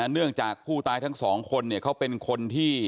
เนื่องจากผู้ตายทั้งสองคนเนี่ยเขาเป็นคนที่